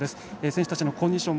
選手たちのコンディション